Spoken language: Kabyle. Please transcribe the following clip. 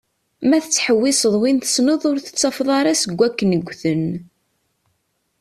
Ma tettḥewwiseḍ win tesneḍ ur tettafeḍ ara seg wakken gten.